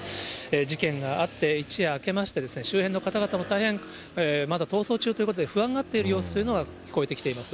事件があって一夜明けまして、周辺の方々も大変、まだ逃走中ということで、不安がっている様子というのが聞こえてきています。